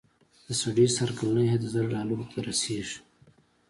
د سړي سر کلنی عاید زر ډالرو ته رسېږي.